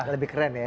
lebih keren ya